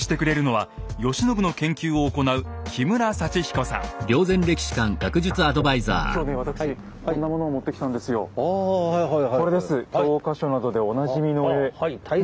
はい。